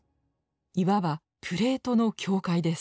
いわばプレートの境界です。